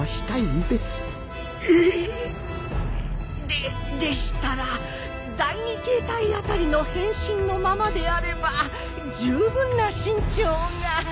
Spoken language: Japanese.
ででしたら第２形態辺りの変身のままであればじゅうぶんな身長が。